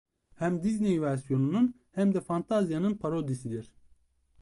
Hem Disney versiyonunun hem de "Fantasia'nın" parodisidir.